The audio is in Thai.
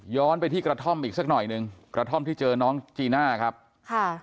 ไปที่กระท่อมอีกสักหน่อยหนึ่งกระท่อมที่เจอน้องจีน่าครับค่ะ